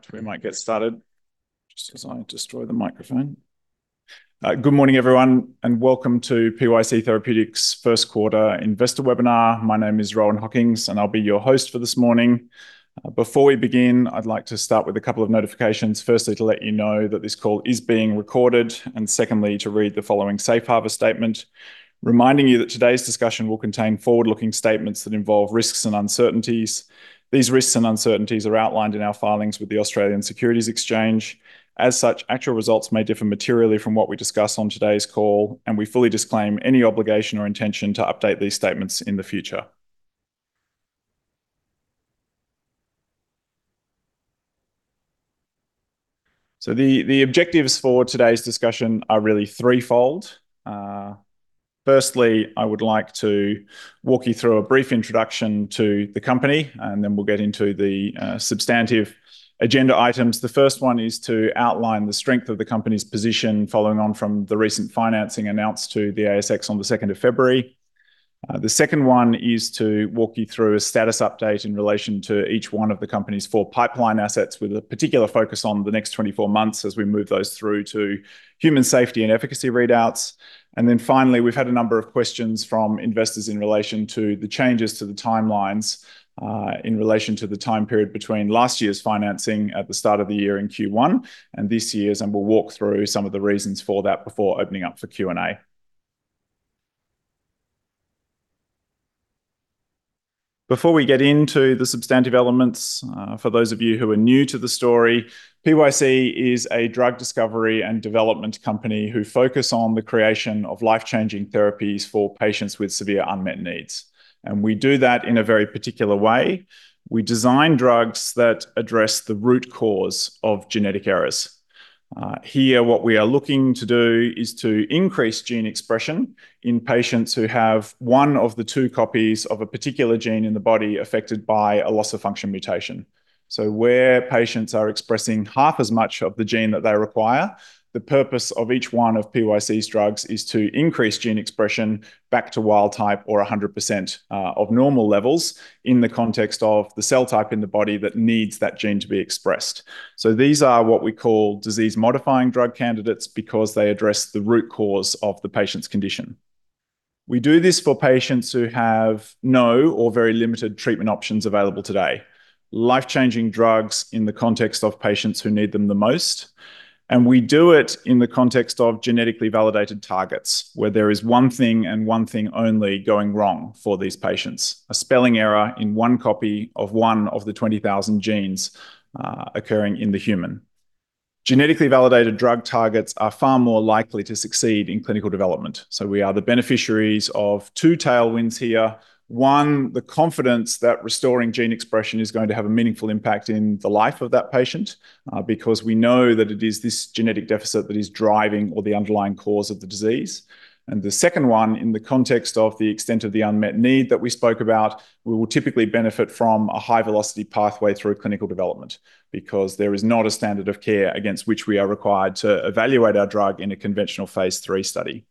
All right, we might get started. Just as I destroy the microphone. Good morning, everyone, and welcome to PYC Therapeutics 1st quarter investor webinar. My name is Rohan Hockings, and I'll be your host for this morning. Before we begin, I'd like to start with a couple of notifications. Firstly, to let you know that this call is being recorded, and secondly, to read the following safe harbor statement, reminding you that today's discussion will contain forward-looking statements that involve risks and uncertainties. These risks and uncertainties are outlined in our filings with the Australian Securities Exchange. As such, actual results may differ materially from what we discuss on today's call, and we fully disclaim any obligation or intention to update these statements in the future. The, the objectives for today's discussion are really threefold. Firstly, I would like to walk you through a brief introduction to the company, then we'll get into the substantive agenda items. The first one is to outline the strength of the company's position following on from the recent financing announced to the ASX on the 2nd of February. The second one is to walk you through a status update in relation to each one of the company's four pipeline assets, with a particular focus on the next 24 months as we move those through to human safety and efficacy readouts. Finally, we've had a number of questions from investors in relation to the changes to the timelines, in relation to the time period between last year's financing at the start of the year in Q1 and this year's, and we'll walk through some of the reasons for that before opening up for Q&A. Before we get into the substantive elements, for those of you who are new to the story, PYC is a drug discovery and development company who focus on the creation of life-changing therapies for patients with severe unmet needs, and we do that in a very particular way. We design drugs that address the root cause of genetic errors. Here, what we are looking to do is to increase gene expression in patients who have 1 of the 2 copies of a particular gene in the body affected by a loss-of-function mutation. Where patients are expressing half as much of the gene that they require, the purpose of each one of PYC's drugs is to increase gene expression back to wild type or 100%, of normal levels in the context of the cell type in the body that needs that gene to be expressed. These are what we call disease-modifying drug candidates because they address the root cause of the patient's condition. We do this for patients who have no or very limited treatment options available today. Life-changing drugs in the context of patients who need them the most, and we do it in the context of genetically validated targets, where there is 1 thing and 1 thing only going wrong for these patients, a spelling error in 1 copy of 1 of the 20,000 genes, occurring in the human. Genetically validated drug targets are far more likely to succeed in clinical development. We are the beneficiaries of two tailwinds here. 1, the confidence that restoring gene expression is going to have a meaningful impact in the life of that patient, because we know that it is this genetic deficit that is driving or the underlying cause of the disease. The second one, in the context of the extent of the unmet need that we spoke about, we will typically benefit from a high-velocity pathway through clinical development because there is not a standard of care against which we are required to evaluate our drug in a conventional phase III study.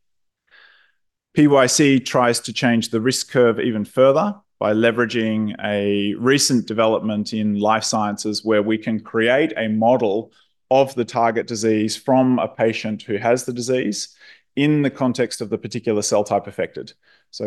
PYC tries to change the risk curve even further by leveraging a recent development in life sciences, where we can create a model of the target disease from a patient who has the disease in the context of the particular cell type affected.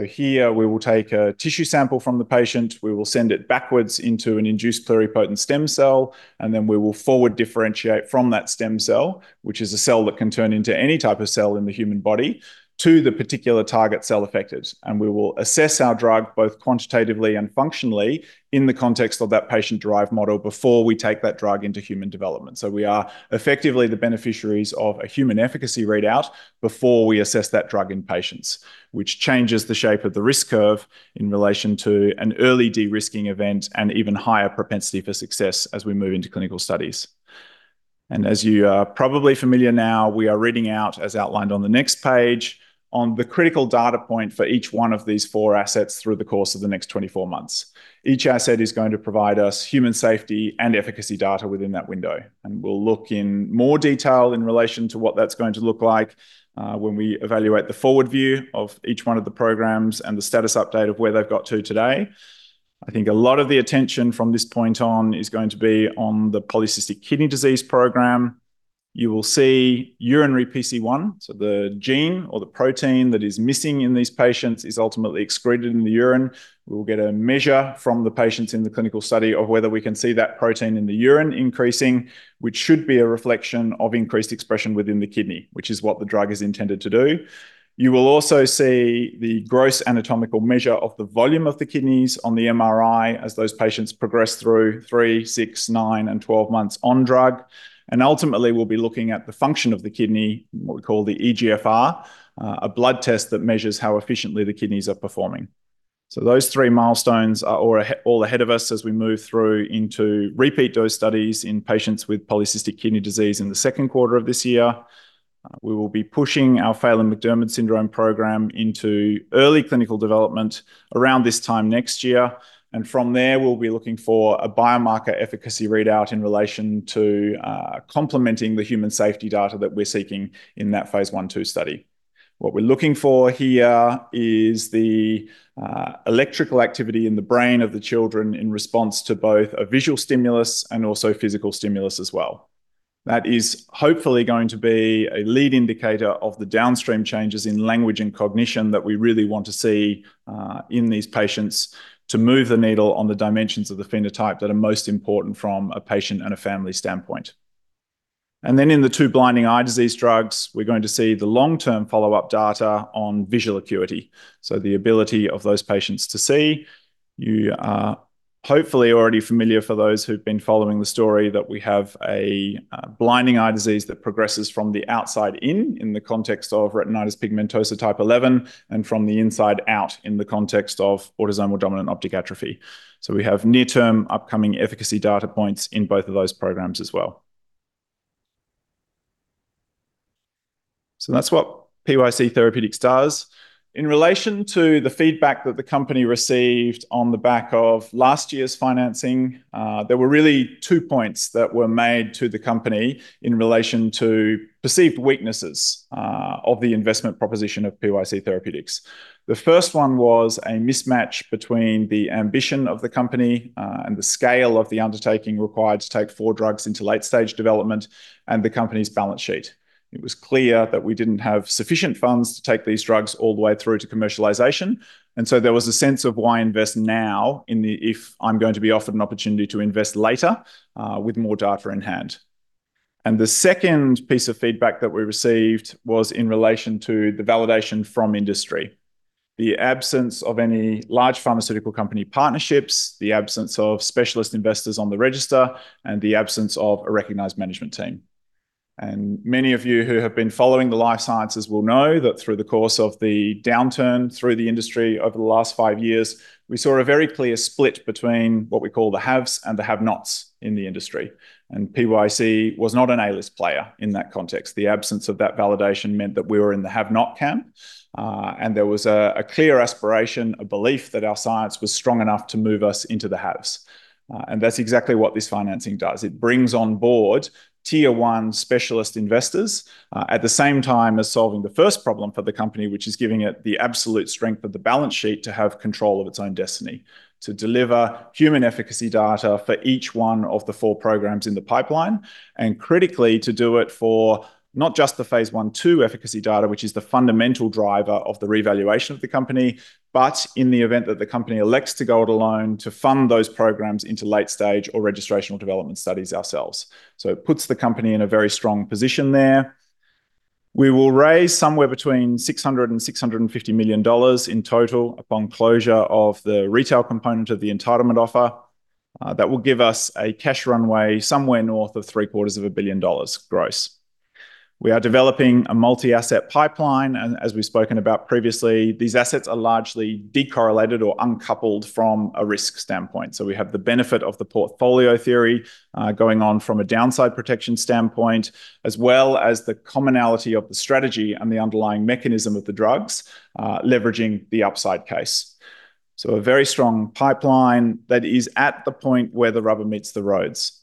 Here we will take a tissue sample from the patient, we will send it backwards into an induced pluripotent stem cell, and then we will forward differentiate from that stem cell, which is a cell that can turn into any type of cell in the human body, to the particular target cell affected. We will assess our drug, both quantitatively and functionally, in the context of that patient-derived model before we take that drug into human development. We are effectively the beneficiaries of a human efficacy readout before we assess that drug in patients, which changes the shape of the risk curve in relation to an early de-risking event and even higher propensity for success as we move into clinical studies. As you are probably familiar now, we are reading out, as outlined on the next page, on the critical data point for each one of these four assets through the course of the next 24 months. Each asset is going to provide us human safety and efficacy data within that window, and we'll look in more detail in relation to what that's going to look like when we evaluate the forward view of each one of the programs and the status update of where they've got to today. I think a lot of the attention from this point on is going to be on the Polycystic Kidney Disease program. You will see Urinary PC1, so the gene or the protein that is missing in these patients is ultimately excreted in the urine. We will get a measure from the patients in the clinical study of whether we can see that protein in the urine increasing, which should be a reflection of increased expression within the kidney, which is what the drug is intended to do. You will also see the gross anatomical measure of the volume of the kidneys on the MRI as those patients progress through three, six, nine, and 12 months on drug, and ultimately, we'll be looking at the function of the kidney, what we call the eGFR, a blood test that measures how efficiently the kidneys are performing. Those three milestones are all ahead of us as we move through into repeat dose studies in patients with Polycystic Kidney Disease in the 2nd quarter of this year. We will be pushing our Phelan-McDermid syndrome program into early clinical development around this time next year, and from there, we'll be looking for a biomarker efficacy readout in relation to complementing the human safety data that we're seeking in that phase I/II study. What we're looking for here is the electrical activity in the brain of the children in response to both a visual stimulus and also physical stimulus as well. That is hopefully going to be a lead indicator of the downstream changes in language and cognition that we really want to see in these patients to move the needle on the dimensions of the phenotype that are most important from a patient and a family standpoint. In the two blinding eye disease drugs, we're going to see the long-term follow-up data on visual acuity, so the ability of those patients to see. You are hopefully already familiar, for those who've been following the story, that we have a blinding eye disease that progresses from the outside in, in the context of Retinitis Pigmentosa type 11, and from the inside out in the context of Autosomal Dominant Optic Atrophy. We have near-term upcoming efficacy data points in both of those programs as well. That's what PYC Therapeutics does. In relation to the feedback that the company received on the back of last year's financing, there were really two points that were made to the company in relation to perceived weaknesses of the investment proposition of PYC Therapeutics. The first one was a mismatch between the ambition of the company and the scale of the undertaking required to take four drugs into late-stage development and the company's balance sheet. It was clear that we didn't have sufficient funds to take these drugs all the way through to commercialization, and so there was a sense of why invest now in the if I'm going to be offered an opportunity to invest later with more data in hand. The second piece of feedback that we received was in relation to the validation from industry. The absence of any large pharmaceutical company partnerships, the absence of specialist investors on the register, and the absence of a recognized management team. Many of you who have been following the life sciences will know that through the course of the downturn through the industry over the last five years, we saw a very clear split between what we call the haves and the have-nots in the industry, and PYC was not an A-list player in that context. The absence of that validation meant that we were in the have-not camp, and there was a clear aspiration, a belief that our science was strong enough to move us into the haves. That's exactly what this financing does. It brings on board Tier 1 specialist investors, at the same time as solving the first problem for the company, which is giving it the absolute strength of the balance sheet to have control of its own destiny, to deliver human efficacy data for each one of the four programs in the pipeline, and critically, to do it for not just the phase I/II efficacy data, which is the fundamental driver of the revaluation of the company, but in the event that the company elects to go it alone, to fund those programs into late-stage or registrational development studies ourselves. It puts the company in a very strong position there. We will raise somewhere between 600 million dollars and AUD 650 million in total upon closure of the retail component of the entitlement offer. That will give us a cash runway somewhere north of $750 million gross. We are developing a multi-asset pipeline, and as we've spoken about previously, these assets are largely decorrelated or uncoupled from a risk standpoint. We have the benefit of the portfolio theory going on from a downside protection standpoint, as well as the commonality of the strategy and the underlying mechanism of the drugs leveraging the upside case. A very strong pipeline that is at the point where the rubber meets the roads,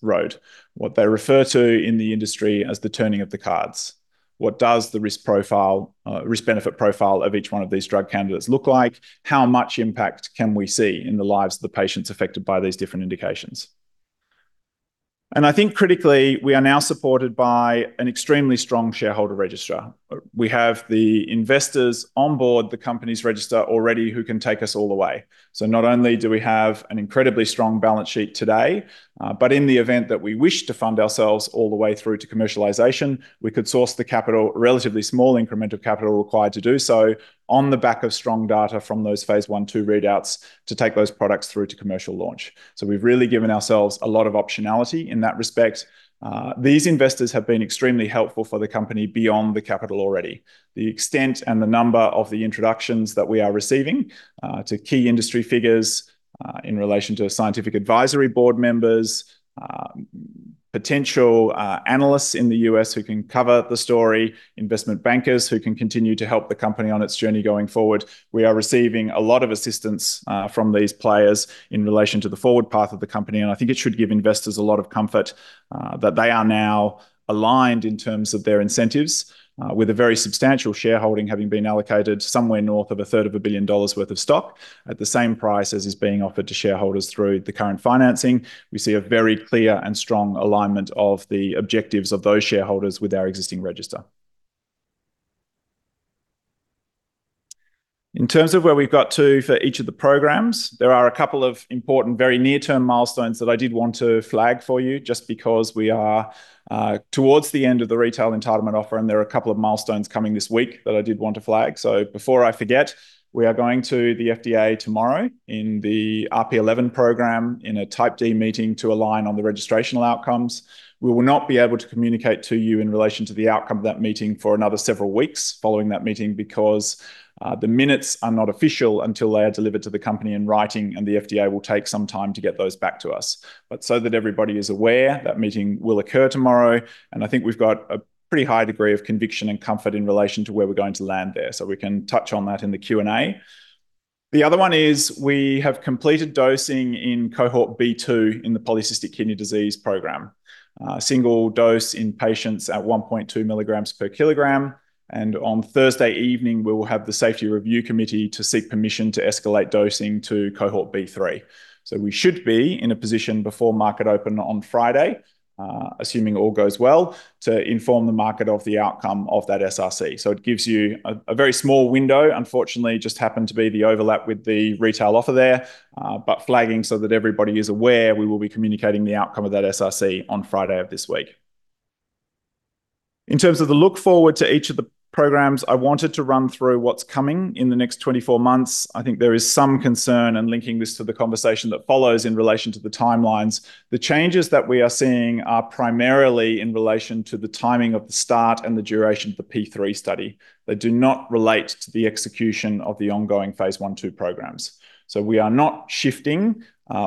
what they refer to in the industry as the turning of the cards. What does the risk profile, risk-benefit profile of each one of these drug candidates look like? How much impact can we see in the lives of the patients affected by these different indications? I think critically, we are now supported by an extremely strong shareholder registrar. We have the investors on board, the company's registrar already, who can take us all the way. Not only do we have an incredibly strong balance sheet today, but in the event that we wish to fund ourselves all the way through to commercialization, we could source the capital, relatively small incremental capital required to do so on the back of strong data from those phase I/II readouts to take those products through to commercial launch. We've really given ourselves a lot of optionality in that respect. These investors have been extremely helpful for the company beyond the capital already. The extent and the number of the introductions that we are receiving to key industry figures in relation to scientific advisory board members, potential analysts in the US who can cover the story, investment bankers who can continue to help the company on its journey going forward. We are receiving a lot of assistance from these players in relation to the forward path of the company, and I think it should give investors a lot of comfort that they are now aligned in terms of their incentives with a very substantial shareholding, having been allocated somewhere north of 333.3 million dollars worth of stock at the same price as is being offered to shareholders through the current financing. We see a very clear and strong alignment of the objectives of those shareholders with our existing register. In terms of where we've got to for each of the programs, there are a couple of important, very near-term milestones that I did want to flag for you, just because we are towards the end of the retail entitlement offer, and there are a couple of milestones coming this week that I did want to flag. Before I forget, we are going to the FDA tomorrow in the RP11 program in a Type D meeting to align on the registrational outcomes. We will not be able to communicate to you in relation to the outcome of that meeting for another several weeks following that meeting, because the minutes are not official until they are delivered to the company in writing, and the FDA will take some time to get those back to us. That everybody is aware, that meeting will occur tomorrow, and I think we've got a pretty high degree of conviction and comfort in relation to where we're going to land there. We can touch on that in the Q&A. The other one is we have completed dosing in Cohort B2 in the Polycystic Kidney Disease program. Single dose in patients at 1.2 milligrams per kilogram, and on Thursday evening, we will have the Safety Review Committee to seek permission to escalate dosing to Cohort B3. We should be in a position before market open on Friday, assuming all goes well, to inform the market of the outcome of that SRC. It gives you a very small window. Unfortunately, it just happened to be the overlap with the retail offer there, but flagging so that everybody is aware, we will be communicating the outcome of that SRC on Friday of this week. In terms of the look forward to each of the programs, I wanted to run through what's coming in the next 24 months. I think there is some concern, and linking this to the conversation that follows in relation to the timelines, the changes that we are seeing are primarily in relation to the timing of the start and the duration of the phase III study. They do not relate to the execution of the ongoing phase I/II programs. We are not shifting,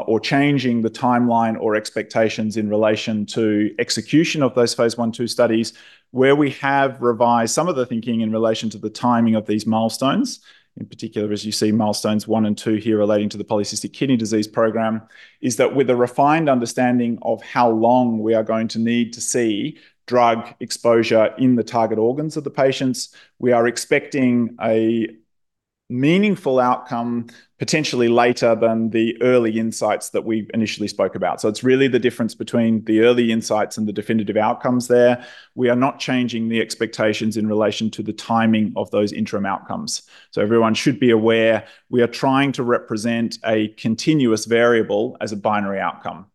or changing the timeline or expectations in relation to execution of those phase I/II studies. Where we have revised some of the thinking in relation to the timing of these milestones, in particular, as you see, milestones 1 and 2 here relating to the Polycystic Kidney Disease program, is that with a refined understanding of how long we are going to need to see drug exposure in the target organs of the patients, we are expecting a meaningful outcome, potentially later than the early insights that we initially spoke about. So it's really the difference between the early insights and the definitive outcomes there. We are not changing the expectations in relation to the timing of those interim outcomes. So everyone should be aware, we are trying to represent a continuous variable as a binary outcome,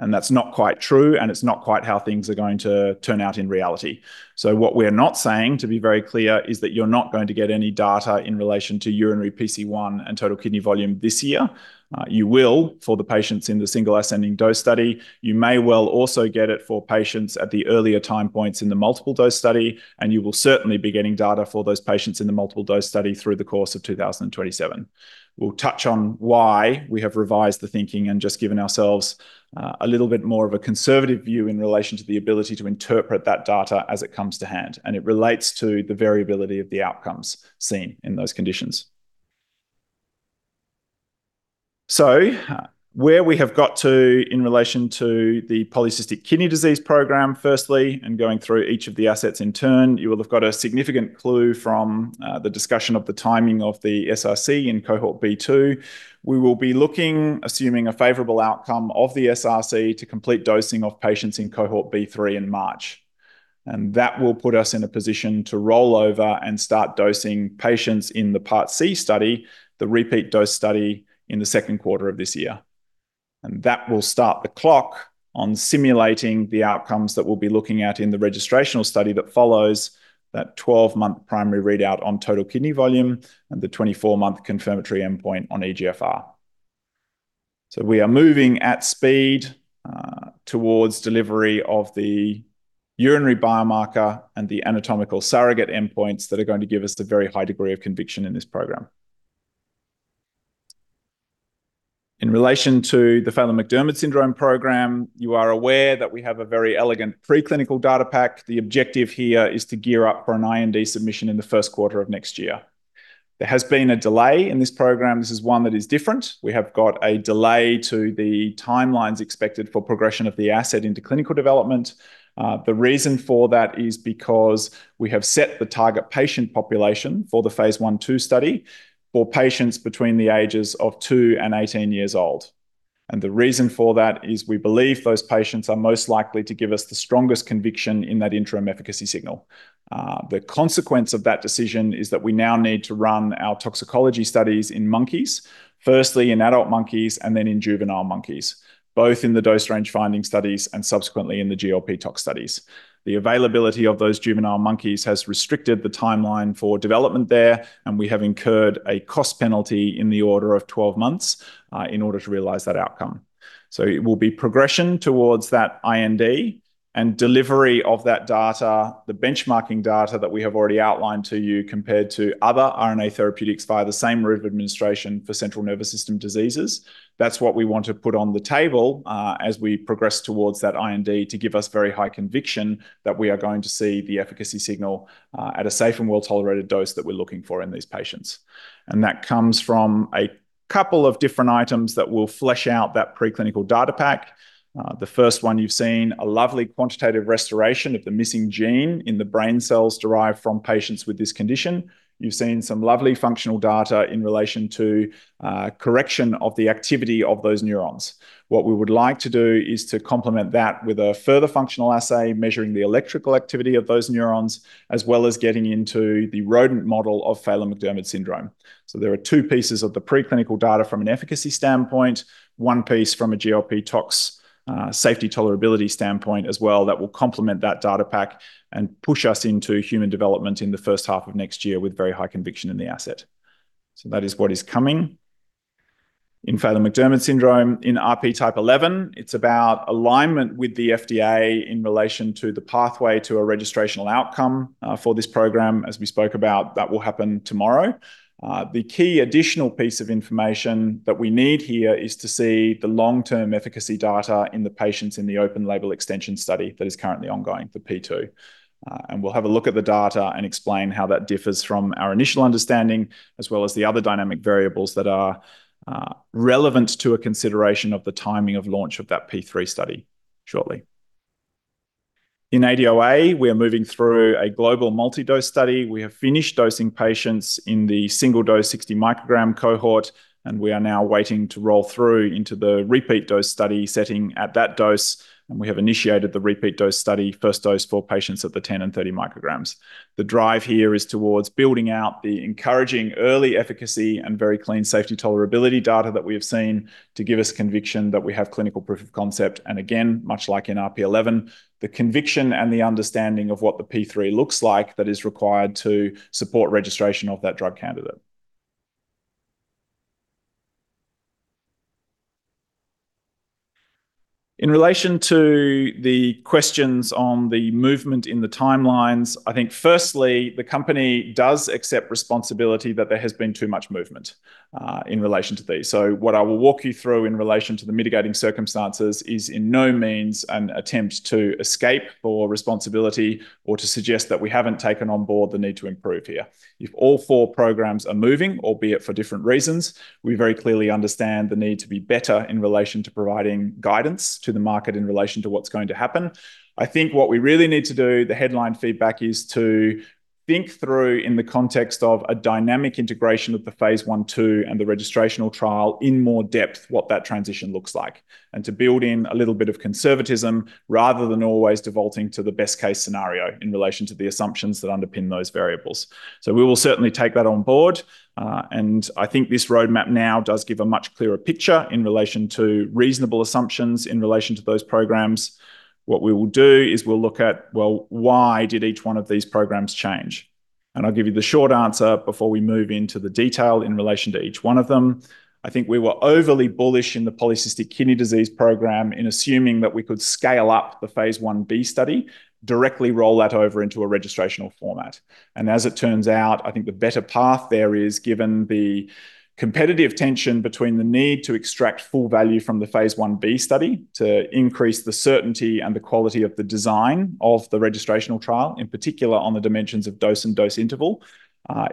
and that's not quite true, and it's not quite how things are going to turn out in reality. What we are not saying, to be very clear, is that you're not going to get any data in relation to Urinary PC1 and Total Kidney Volume this year. You will, for the patients in the single ascending dose study, you may well also get it for patients at the earlier time points in the multiple dose study, and you will certainly be getting data for those patients in the multiple dose study through the course of 2027. We'll touch on why we have revised the thinking and just given ourselves, a little bit more of a conservative view in relation to the ability to interpret that data as it comes to hand, and it relates to the variability of the outcomes seen in those conditions. Where we have got to in relation to the Polycystic Kidney Disease program, firstly, and going through each of the assets in turn, you will have got a significant clue from the discussion of the timing of the SRC in Cohort B2. We will be looking, assuming a favorable outcome of the SRC, to complete dosing of patients in Cohort B3 in March, and that will put us in a position to roll over and start dosing patients in the Part C study, the repeat dose study in the 2nd quarter of this year. That will start the clock on simulating the outcomes that we'll be looking at in the registrational study that follows that 12-month primary readout on Total Kidney Volume and the 24-month confirmatory endpoint on eGFR. We are moving at speed towards delivery of the urinary biomarker and the anatomical surrogate endpoints that are going to give us the very high degree of conviction in this program. In relation to the Phelan-McDermid syndrome program, you are aware that we have a very elegant preclinical data pack. The objective here is to gear up for an IND submission in the 1st quarter of next year. There has been a delay in this program. This is one that is different. We have got a delay to the timelines expected for progression of the asset into clinical development. The reason for that is because we have set the target patient population for the phase I/II study for patients between the ages of two and 18 years old. The reason for that is we believe those patients are most likely to give us the strongest conviction in that interim efficacy signal. The consequence of that decision is that we now need to run our toxicology studies in monkeys, firstly in adult monkeys and then in juvenile monkeys, both in the dose range finding studies and subsequently in the GLP tox studies. The availability of those juvenile monkeys has restricted the timeline for development there. We have incurred a cost penalty in the order of 12 months in order to realize that outcome. It will be progression towards that IND and delivery of that data, the benchmarking data that we have already outlined to you, compared to other RNA therapeutics via the same route of administration for central nervous system diseases. That's what we want to put on the table, as we progress towards that IND to give us very high conviction that we are going to see the efficacy signal, at a safe and well-tolerated dose that we're looking for in these patients. That comes from a couple of different items that will flesh out that preclinical data pack. The first one you've seen, a lovely quantitative restoration of the missing gene in the brain cells derived from patients with this condition. You've seen some lovely functional data in relation to correction of the activity of those neurons. What we would like to do is to complement that with a further functional assay, measuring the electrical activity of those neurons, as well as getting into the rodent model of Phelan-McDermid syndrome. There are two pieces of the preclinical data from an efficacy standpoint, one piece from a GLP tox, safety tolerability standpoint as well, that will complement that data pack and push us into human development in the first half of next year with very high conviction in the asset. That is what is coming. In Phelan-McDermid syndrome, in RP type 11, it's about alignment with the FDA in relation to the pathway to a registrational outcome for this program, as we spoke about, that will happen tomorrow. The key additional piece of information that we need here is to see the long-term efficacy data in the patients in the Open Label Extension study that is currently ongoing for phase II. We'll have a look at the data and explain how that differs from our initial understanding, as well as the other dynamic variables that are relevant to a consideration of the timing of launch of that phase III study shortly. ADOA, we are moving through a global multi-dose study. We have finished dosing patients in the single-dose 60 microgram cohort, and we are now waiting to roll through into the repeat dose study setting at that dose, and we have initiated the repeat dose study, first dose for patients at the 10 and 30 micrograms. The drive here is towards building out the encouraging early efficacy and very clean safety tolerability data that we have seen to give us conviction that we have clinical proof of concept, and again, much like in RP11, the conviction and the understanding of what the phase III looks like that is required to support registration of that drug candidate. In relation to the questions on the movement in the timelines, I think firstly, the company does accept responsibility that there has been too much movement in relation to these. What I will walk you through in relation to the mitigating circumstances is in no means an attempt to escape or responsibility or to suggest that we haven't taken on board the need to improve here. If all 4 programs are moving, albeit for different reasons, we very clearly understand the need to be better in relation to providing guidance to the market in relation to what's going to happen. I think what we really need to do, the headline feedback, is to think through in the context of a dynamic integration of the phase I/II and the registrational trial in more depth, what that transition looks like, and to build in a little bit of conservatism rather than always defaulting to the best-case scenario in relation to the assumptions that underpin those variables. We will certainly take that on board, and I think this roadmap now does give a much clearer picture in relation to reasonable assumptions in relation to those programs. What we will do is we'll look at, well, why did each one of these programs change? I'll give you the short answer before we move into the detail in relation to each one of them. I think we were overly bullish in the Polycystic Kidney Disease program in assuming that we could scale up the phase 1b study, directly roll that over into a registrational format. As it turns out, I think the better path there is, given the competitive tension between the need to extract full value from the phase 1b study to increase the certainty and the quality of the design of the registrational trial, in particular on the dimensions of dose and dose interval.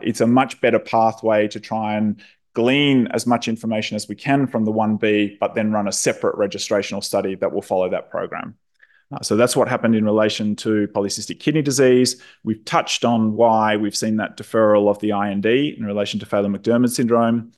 It's a much better pathway to try and glean as much information as we can from the 1b, but then run a separate registrational study that will follow that program. That's what happened in relation to Polycystic Kidney Disease. We've touched on why we've seen that deferral of the IND in relation to Phelan-McDermid syndrome.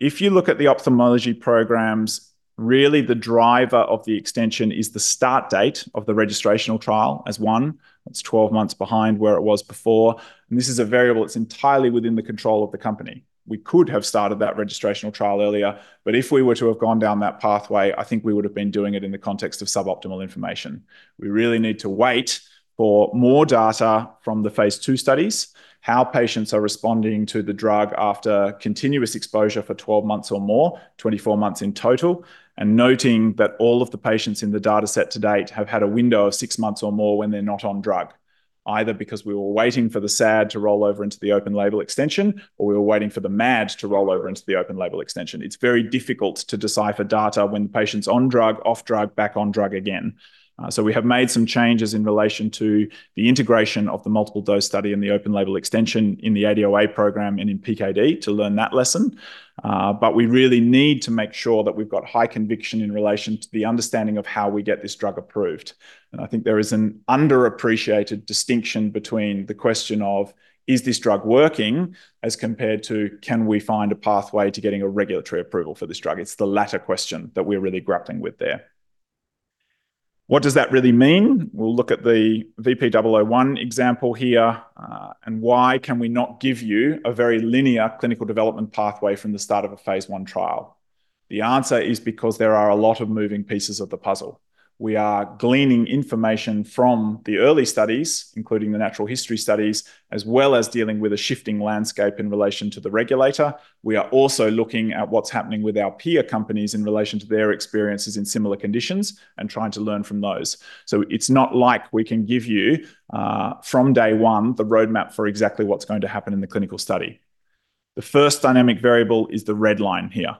If you look at the ophthalmology programs, really the driver of the extension is the start date of the registrational trial as one. That's 12 months behind where it was before, and this is a variable that's entirely within the control of the company. We could have started that registrational trial earlier, but if we were to have gone down that pathway, I think we would have been doing it in the context of suboptimal information. We really need to wait for more data from the phase II studies, how patients are responding to the drug after continuous exposure for 12 months or more, 24 months in total, noting that all of the patients in the dataset to date have had a window of six months or more when they're not on drug, either because we were waiting for the SAD to roll over into the Open Label Extension, or we were waiting for the MAD to roll over into the Open Label Extension. It's very difficult to decipher data when patients on drug, off drug, back on drug again. We have made some changes in relation to the integration of the multiple dose study and the Open Label Extension in the ADOA program and in PKD to learn that lesson. We really need to make sure that we've got high conviction in relation to the understanding of how we get this drug approved. I think there is an underappreciated distinction between the question of, is this drug working, as compared to, can we find a pathway to getting a regulatory approval for this drug? It's the latter question that we're really grappling with there. What does that really mean? We'll look at the VP-001 example here, why can we not give you a very linear clinical development pathway from the start of a phase I trial? The answer is because there are a lot of moving pieces of the puzzle. We are gleaning information from the early studies, including the natural history studies, as well as dealing with a shifting landscape in relation to the regulator. We are also looking at what's happening with our peer companies in relation to their experiences in similar conditions and trying to learn from those. It's not like we can give you, from day one, the roadmap for exactly what's going to happen in the clinical study. The first dynamic variable is the red line here.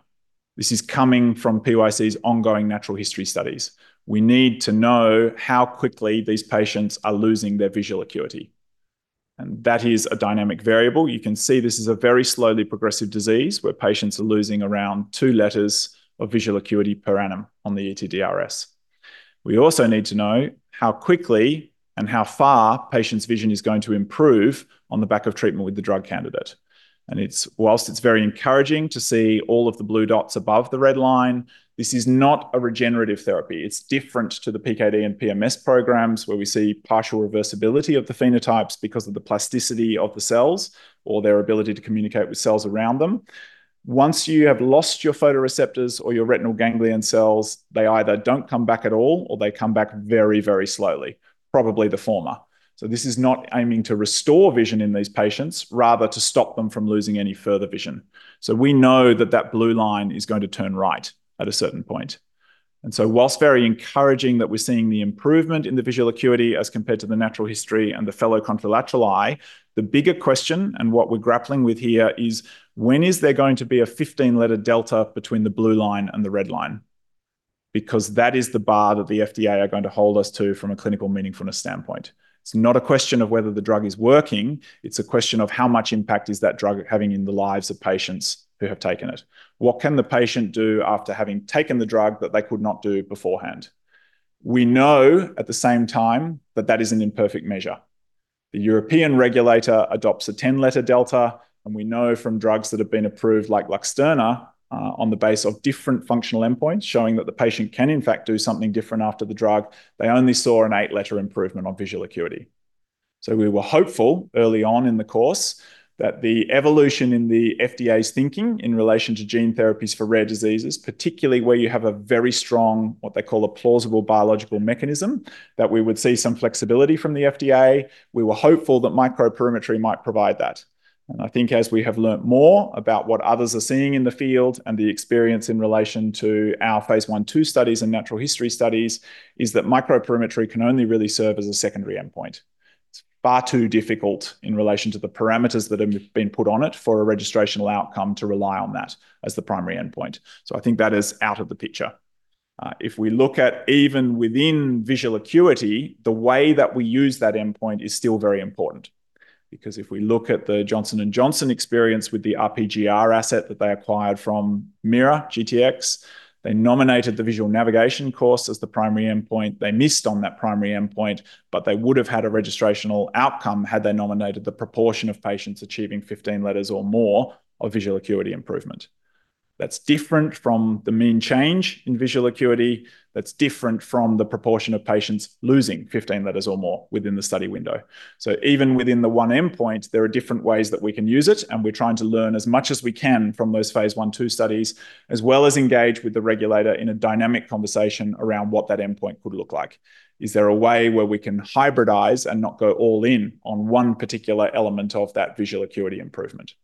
This is coming from PYC's ongoing natural history studies. We need to know how quickly these patients are losing their visual acuity, and that is a dynamic variable. You can see this is a very slowly progressive disease, where patients are losing around two letters of visual acuity per annum on the ETDRS. We also need to know how quickly and how far patients' vision is going to improve on the back of treatment with the drug candidate. While it's very encouraging to see all of the blue dots above the red line, this is not a regenerative therapy. It's different to the PKD and PMS programs, where we see partial reversibility of the phenotypes because of the plasticity of the cells or their ability to communicate with cells around them. Once you have lost your photoreceptors or your retinal ganglion cells, they either don't come back at all, or they come back very, very slowly, probably the former. This is not aiming to restore vision in these patients, rather to stop them from losing any further vision. We know that that blue line is going to turn right at a certain point. Whilst very encouraging that we're seeing the improvement in the visual acuity as compared to the natural history and the fellow contralateral eye, the bigger question, and what we're grappling with here, is when is there going to be a 15-letter delta between the blue line and the red line? That is the bar that the FDA are going to hold us to from a clinical meaningfulness standpoint. It's not a question of whether the drug is working, it's a question of how much impact is that drug having in the lives of patients who have taken it. What can the patient do after having taken the drug that they could not do beforehand? We know at the same time that that is an imperfect measure. The European regulator adopts a 10-letter delta. We know from drugs that have been approved, like Luxturna, on the base of different functional endpoints, showing that the patient can, in fact, do something different after the drug. They only saw an eight-letter improvement on visual acuity. We were hopeful early on in the course that the evolution in the FDA's thinking in relation to gene therapies for rare diseases, particularly where you have a very strong, what they call a plausible biological mechanism, that we would see some flexibility from the FDA. We were hopeful that microperimetry might provide that. I think as we have learned more about what others are seeing in the field and the experience in relation to our phase I/II studies and natural history studies, is that microperimetry can only really serve as a secondary endpoint. It's far too difficult in relation to the parameters that have been put on it for a registrational outcome to rely on that as the primary endpoint. I think that is out of the picture. If we look at, even within visual acuity, the way that we use that endpoint is still very important. If we look at the Johnson & Johnson experience with the RPGR asset that they acquired from MeiraGTx, they nominated the Visual Navigation Course as the primary endpoint. They missed on that primary endpoint, but they would have had a registrational outcome had they nominated the proportion of patients achieving 15 letters or more of visual acuity improvement. That's different from the mean change in visual acuity. That's different from the proportion of patients losing 15 letters or more within the study window. Even within the one endpoint, there are different ways that we can use it, and we're trying to learn as much as we can from those phase I/II studies, as well as engage with the regulator in a dynamic conversation around what that endpoint could look like. Is there a way where we can hybridize and not go all in on one particular element of that visual acuity improvement?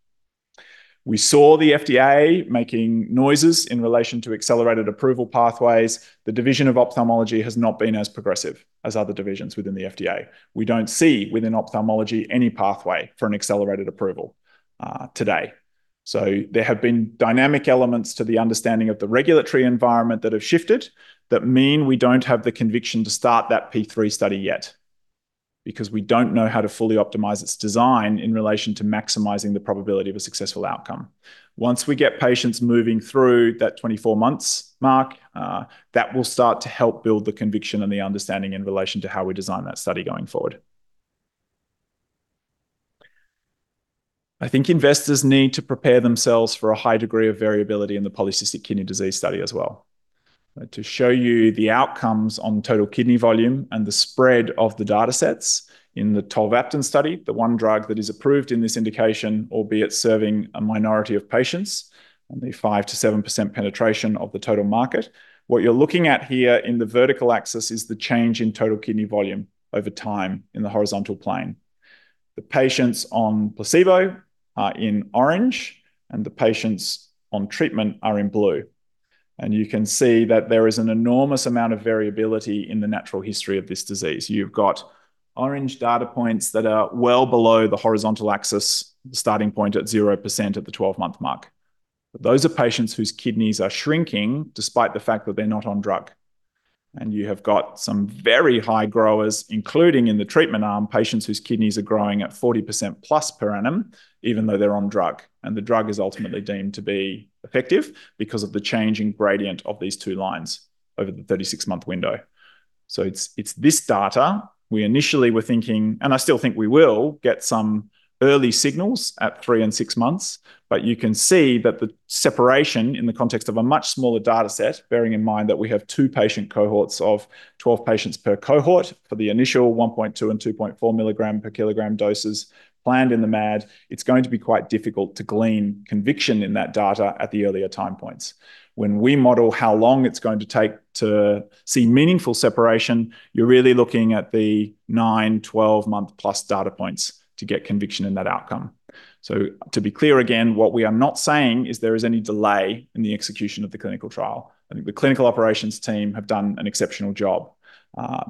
We saw the FDA making noises in relation to accelerated approval pathways. The Division of Ophthalmology has not been as progressive as other divisions within the FDA. We don't see, within ophthalmology, any pathway for an accelerated approval, today. There have been dynamic elements to the understanding of the regulatory environment that have shifted that mean we don't have the conviction to start that phase III study yet, because we don't know how to fully optimize its design in relation to maximizing the probability of a successful outcome. Once we get patients moving through that 24 months mark, that will start to help build the conviction and the understanding in relation to how we design that study going forward. I think investors need to prepare themselves for a high degree of variability in the Polycystic Kidney Disease study as well. To show you the outcomes on Total Kidney Volume and the spread of the datasets in the tolvaptan study, the one drug that is approved in this indication, albeit serving a minority of patients, only 5% to 7% penetration of the total market. What you're looking at here in the vertical axis is the change in Total Kidney Volume over time in the horizontal plane. The patients on placebo are in orange, and the patients on treatment are in blue, and you can see that there is an enormous amount of variability in the natural history of this disease. You've got orange data points that are well below the horizontal axis, starting point at 0% at the 12-month mark. Those are patients whose kidneys are shrinking, despite the fact that they're not on drug, and you have got some very high growers, including in the treatment arm, patients whose kidneys are growing at 40% plus per annum, even though they're on drug. The drug is ultimately deemed to be effective because of the changing gradient of these two lines over the 36-month window. It's, it's this data we initially were thinking, and I still think we will get some early signals at three and six months, but you can see that the separation in the context of a much smaller dataset, bearing in mind that we have two patient cohorts of 12 patients per cohort for the initial 1.2 and 2.4 milligram per kilogram doses planned in the MAD, it's going to be quite difficult to glean conviction in that data at the earlier time points. When we model how long it's going to take to see meaningful separation, you're really looking at the nine, 12-month plus data points to get conviction in that outcome. To be clear again, what we are not saying is there is any delay in the execution of the clinical trial. I think the clinical operations team have done an exceptional job.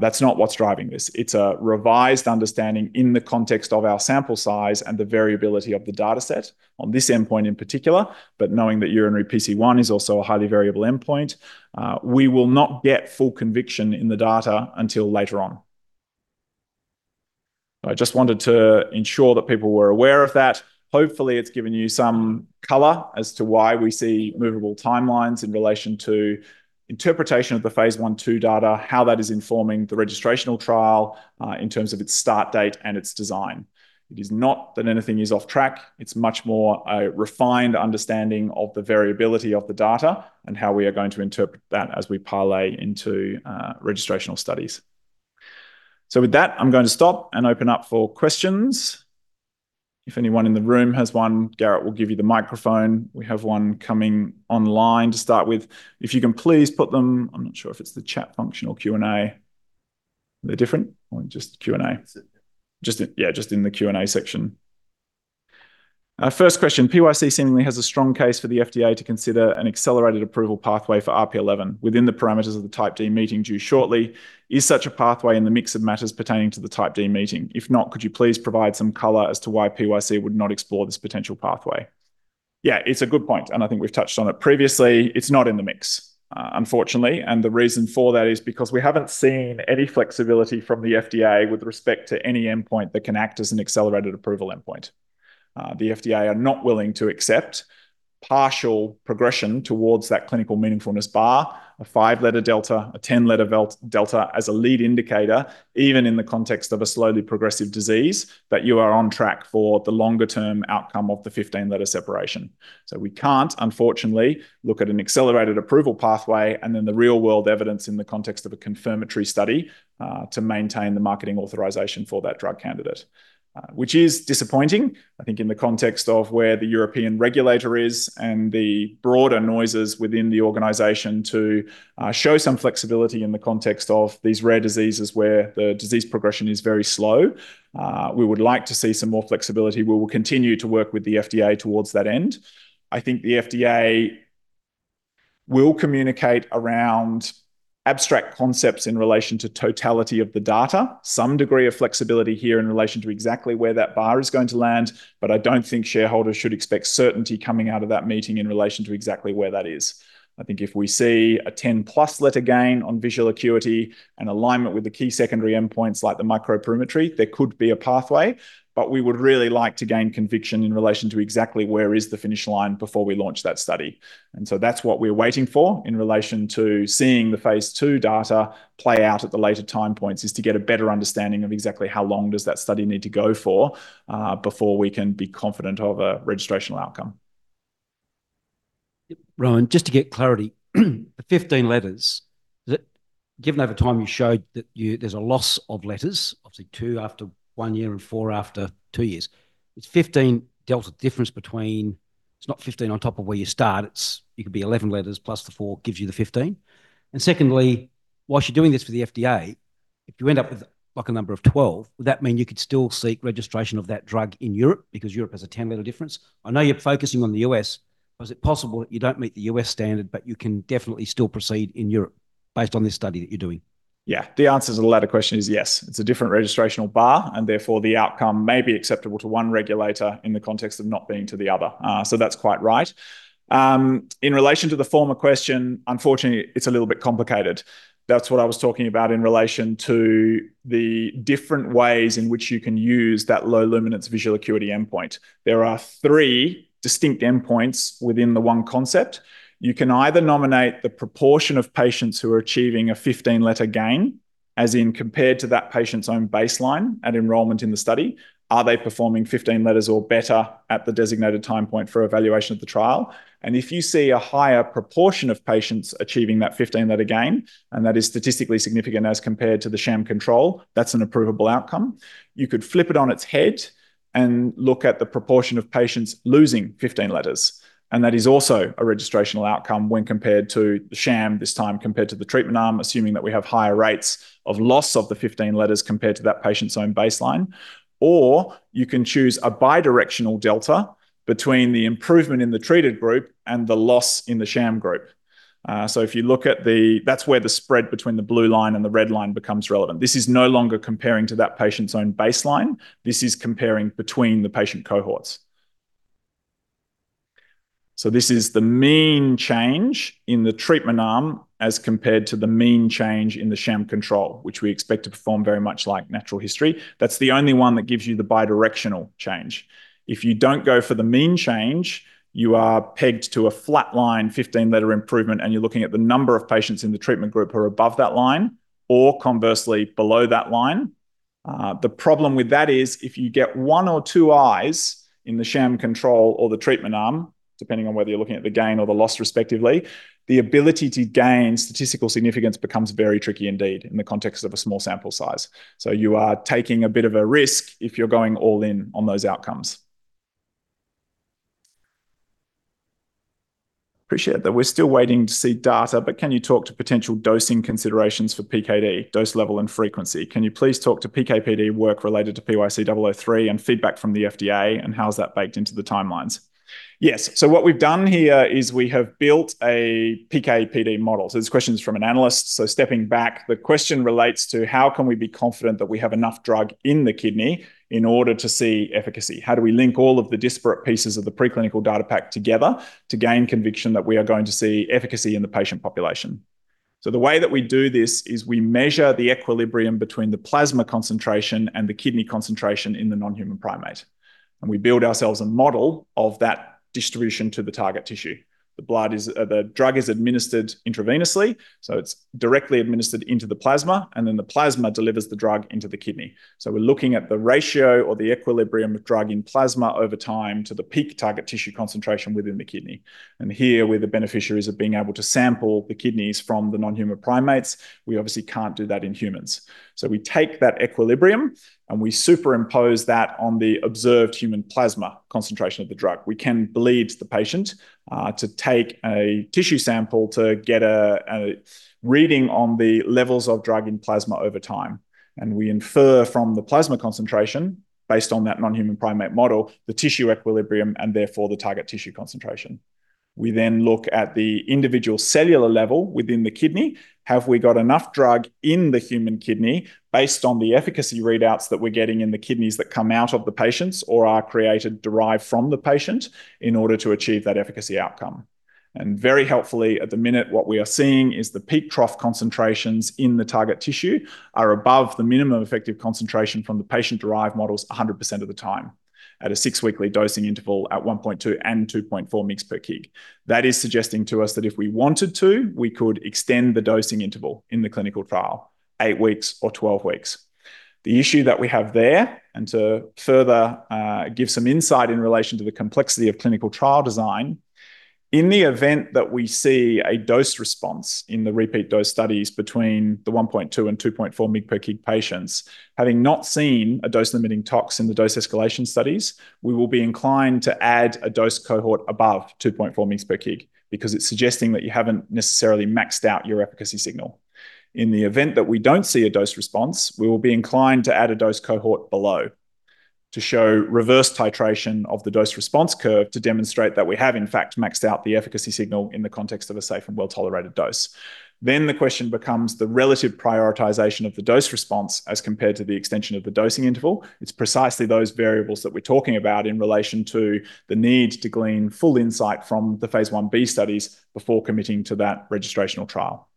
That's not what's driving this. It's a revised understanding in the context of our sample size and the variability of the dataset on this endpoint in particular, but knowing that Urinary PC1 is also a highly variable endpoint, we will not get full conviction in the data until later on. I just wanted to ensure that people were aware of that. Hopefully, it's given you some color as to why we see movable timelines in relation to interpretation of the phase I/II data, how that is informing the registrational trial, in terms of its start date and its design. It is not that anything is off track. It's much more a refined understanding of the variability of the data and how we are going to interpret that as we parlay into registrational studies. With that, I'm going to stop and open up for questions. If anyone in the room has one, Garrett will give you the microphone. We have one coming online to start with. I'm not sure if it's the chat function or Q&A. Are they different or just Q&A? Just- Just in the Q&A section. First question, "PYC seemingly has a strong case for the FDA to consider an accelerated approval pathway for RP11 within the parameters of the Type D meeting due shortly. Is such a pathway in the mix of matters pertaining to the Type D meeting? If not, could you please provide some color as to why PYC would not explore this potential pathway?" It's a good point, and I think we've touched on it previously. It's not in the mix, unfortunately, and the reason for that is because we haven't seen any flexibility from the FDA with respect to any endpoint that can act as an accelerated approval endpoint. The FDA are not willing to accept. partial progression towards that clinical meaningfulness bar, a 5-letter delta, a 10-letter delta as a lead indicator, even in the context of a slowly progressive disease, that you are on track for the longer-term outcome of the 15-letter separation. We can't, unfortunately, look at an accelerated approval pathway and then the real-world evidence in the context of a confirmatory study, to maintain the marketing authorization for that drug candidate. Which is disappointing, I think, in the context of where the European regulator is and the broader noises within the organization to show some flexibility in the context of these rare diseases where the disease progression is very slow. We would like to see some more flexibility. We will continue to work with the FDA towards that end. I think the FDA will communicate around abstract concepts in relation to totality of the data, some degree of flexibility here in relation to exactly where that bar is going to land, but I don't think shareholders should expect certainty coming out of that meeting in relation to exactly where that is. I think if we see a 10-plus letter gain on visual acuity and alignment with the key secondary endpoints, like the microperimetry, there could be a pathway, but we would really like to gain conviction in relation to exactly where is the finish line before we launch that study. That's what we're waiting for in relation to seeing the phase II data play out at the later time points, is to get a better understanding of exactly how long does that study need to go for before we can be confident of a registrational outcome. Rohan, just to get clarity, the 15 letters, that given over time, you showed that there's a loss of letters, obviously two after one year and four after two years. It's 15 delta difference between, It's not 15 on top of where you start, it's, you could be 11 letters plus the four, gives you the 15. Secondly, whilst you're doing this for the FDA, if you end up with a number of 12, would that mean you could still seek registration of that drug in Europe? Because Europe has a 10-letter difference. I know you're focusing on the US, but is it possible that you don't meet the US standard, but you can definitely still proceed in Europe based on this study that you're doing? Yeah. The answer to the latter question is yes. It's a different registrational bar, therefore, the outcome may be acceptable to one regulator in the context of not being to the other. That's quite right. In relation to the former question, unfortunately, it's a little bit complicated. That's what I was talking about in relation to the different ways in which you can use that low luminance visual acuity endpoint. There are three distinct endpoints within the one concept. You can either nominate the proportion of patients who are achieving a 15-letter gain, as in compared to that patient's own baseline at enrollment in the study. Are they performing 15 letters or better at the designated time point for evaluation of the trial? If you see a higher proportion of patients achieving that 15-letter gain, and that is statistically significant as compared to the sham control, that's an approvable outcome. You could flip it on its head and look at the proportion of patients losing 15 letters, and that is also a registrational outcome when compared to the sham, this time compared to the treatment arm, assuming that we have higher rates of loss of the 15 letters compared to that patient's own baseline. Or you can choose a bidirectional delta between the improvement in the treated group and the loss in the sham group. So if you look at, that's where the spread between the blue line and the red line becomes relevant. This is no longer comparing to that patient's own baseline. This is comparing between the patient cohorts. This is the mean change in the treatment arm as compared to the mean change in the sham control, which we expect to perform very much like natural history. That's the only one that gives you the bidirectional change. If you don't go for the mean change, you are pegged to a flat line, 15-letter improvement, and you're looking at the number of patients in the treatment group who are above that line or conversely, below that line. The problem with that is, if you get one or two I's in the sham control or the treatment arm, depending on whether you're looking at the gain or the loss, respectively, the ability to gain statistical significance becomes very tricky indeed in the context of a small sample size. You are taking a bit of a risk if you're going all in on those outcomes. Appreciate that we're still waiting to see data, but can you talk to potential dosing considerations for PKD, dose level, and frequency? Can you please talk to PK/PD work related to PYC003 and feedback from the FDA, and how is that baked into the timelines?" Yes. What we've done here is we have built a PK/PD model. This question is from an analyst. Stepping back, the question relates to: how can we be confident that we have enough drug in the kidney in order to see efficacy? How do we link all of the disparate pieces of the preclinical data pack together to gain conviction that we are going to see efficacy in the patient population? The way that we do this is we measure the equilibrium between the plasma concentration and the kidney concentration in the non-human primate, and we build ourselves a model of that distribution to the target tissue. The blood is, the drug is administered intravenously, so it's directly administered into the plasma, and then the plasma delivers the drug into the kidney. We're looking at the ratio or the equilibrium of drug in plasma over time to the peak target tissue concentration within the kidney. Here, we're the beneficiaries of being able to sample the kidneys from the non-human primates. We obviously can't do that in humans. We take that equilibrium, and we superimpose that on the observed human plasma concentration of the drug. We can bleed the patient to take a tissue sample to get a reading on the levels of drug in plasma over time. We infer from the plasma concentration, based on that non-human primate model, the tissue equilibrium, and therefore the target tissue concentration. We then look at the individual cellular level within the kidney. Have we got enough drug in the human kidney based on the efficacy readouts that we're getting in the kidneys that come out of the patients or are created, derived from the patient, in order to achieve that efficacy outcome? Very helpfully, at the minute, what we are seeing is the peak trough concentrations in the target tissue are above the minimum effective concentration from the patient-derived models 100% of the time, at a six weekly dosing interval at 1.2 and 2.4 mgs per kg. That is suggesting to us that if we wanted to, we could extend the dosing interval in the clinical trial, eight weeks or 12 weeks. The issue that we have there, and to further give some insight in relation to the complexity of clinical trial design, in the event that we see a dose response in the repeat dose studies between the 1.2 and 2.4 mg per kg patients, having not seen a dose-limiting tox in the dose escalation studies, we will be inclined to add a dose cohort above 2.4 mg per kg, because it's suggesting that you haven't necessarily maxed out your efficacy signal. In the event that we don't see a dose response, we will be inclined to add a dose cohort below to show reverse titration of the dose response curve to demonstrate that we have, in fact, maxed out the efficacy signal in the context of a safe and well-tolerated dose. The question becomes the relative prioritization of the dose response as compared to the extension of the dosing interval. It's precisely those variables that we're talking about in relation to the need to glean full insight from the phase 1b studies before committing to that registrational trial.